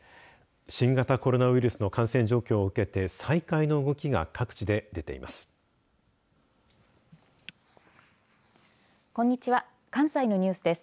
新型コロナウイルスの感染状況を受けて再開の動きが各地で出ています。